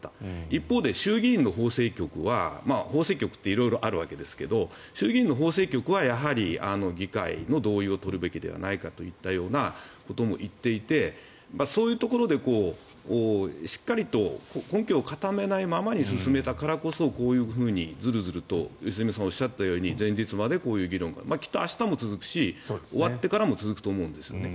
一方で衆議院の法制局は法制局って色々あるわけですが衆議院の法制局は議会の同意を取るべきではないかといったようなことも言っていてそういうところでしっかりと根拠を固めないままに進めたからこそこういうふうに、ずるずると良純さんがおっしゃったように前日までこういう議論が。きっと明日も続くし終わってからも続くと思うんですよね。